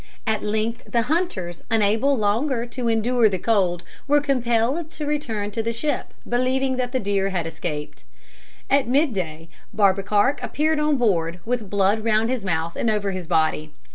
At length the hunters, unable longer to endure the cold, were compelled to return to the ship, believing that the deer had escaped. At mid day Barbekark appeared on board, with blood round his mouth and over his body.